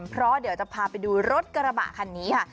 เพราะเดี๋ยวจะพาไปดูรถกระบะคันนี้ค่ะ